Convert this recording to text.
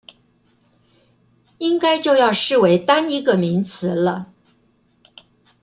應該就要視為單一個名詞了